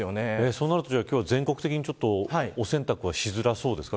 そうなると全国的に今日は洗濯はしづらそうですか。